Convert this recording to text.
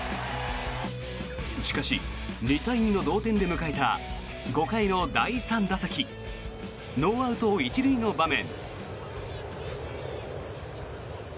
しかし、２対２の同点で迎えた５回の第３打席ノーアウト１塁の場面。